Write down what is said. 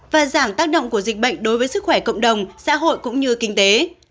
và giảm tác động của dịch bệnh đối với sức khỏe cộng đồng xã hội cũng như kinh tế